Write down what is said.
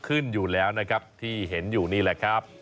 ขึ้นอยู่แล้วนะครับที่เห็นอยู่นี่แหละครับ